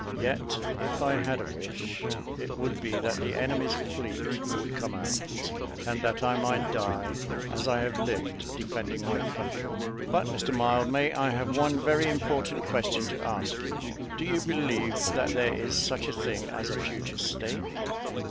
Yet, if I had a wish, it would be that the enemy's fleet would come out, and that I might die, as I have lived, defending my country. But, Mr Mildmay, I have one very important question to ask you do you believe that there is such a thing as a future state?"